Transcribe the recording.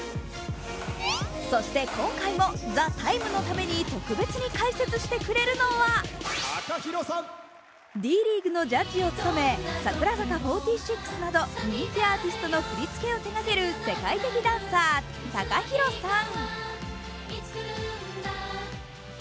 そして今回も「ＴＨＥＴＩＭＥ，」のために特別に解説してくれるのはＤ．ＬＥＡＧＵＥのジャッジを務め櫻坂４６など人気アーティストの振り付けを手がけ世界的ダンサー・ＴＡＫＡＨＩＲＯさん。